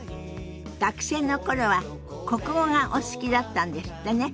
学生の頃は国語がお好きだったんですってね。